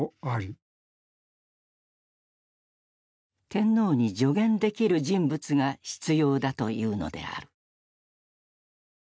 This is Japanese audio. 天皇に助言できる人物が必要だというのである。